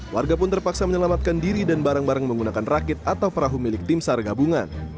warga pun terpaksa menyelamatkan diri dan barang barang menggunakan rakit atau perahu milik tim sargabungan